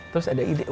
terus ada ide